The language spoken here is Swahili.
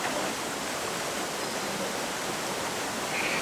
mkataba wa amani na serikali ya jamhuri ya kidemokrasia ya Kongo